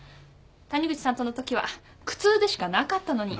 谷口さんとのときは苦痛でしかなかったのに。